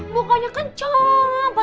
mukanya kan campur